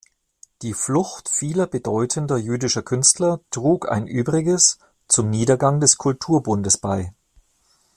Die Flucht vieler bedeutender jüdischer Künstler trug ein Übriges zum Niedergang des Kulturbundes bei.